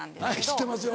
知ってますよ。